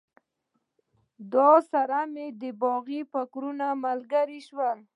دعا سره مې بلاغي فکرونه ملګري شول.